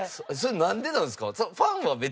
それなんでなんですか？